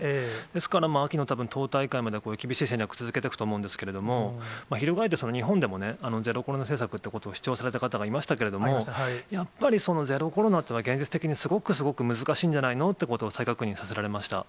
ですから、秋の党大会まではこれ、厳しい戦略を続けていくと思うんですけれども、ひるがえって、日本でもゼロコロナ政策ってことを主張された方がいましたけれども、やっぱりゼロコロナっていうのは、現実的にすごくすごく難しいんじゃないのということを再確認させられました。